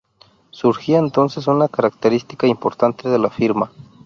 Surgía entonces una característica importante de la firma.